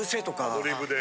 アドリブで。